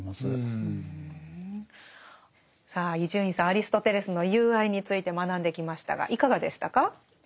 アリストテレスの「友愛」について学んできましたがいかがでしたか？